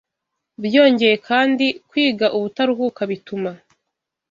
Byongeye kandi, kwiga ubutaruhuka bituma